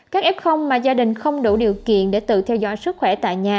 các f mà gia đình không đủ điều kiện để tự theo dõi sức khỏe tại nhà